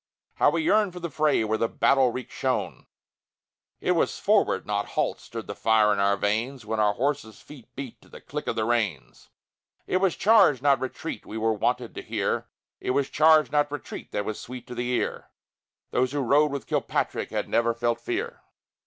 How we yearned for the fray where the battle reek shone! It was forward, not halt, stirred the fire in our veins, When our horses' feet beat to the click of the reins; It was charge, not retreat, we were wonted to hear; It was charge, not retreat, that was sweet to the ear; Those who rode with Kilpatrick had never felt fear!